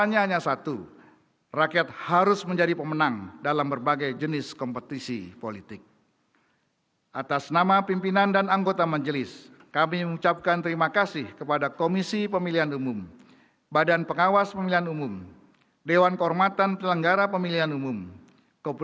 yang mulia salem saeko masid utusan khusus presiden republik demokratik